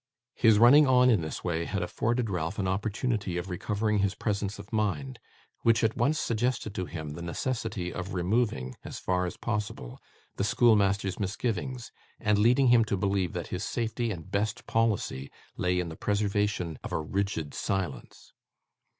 His running on, in this way, had afforded Ralph an opportunity of recovering his presence of mind, which at once suggested to him the necessity of removing, as far as possible, the schoolmaster's misgivings, and leading him to believe that his safety and best policy lay in the preservation of a rigid silence.